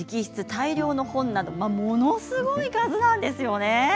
大量の本などものすごい数なんですよね。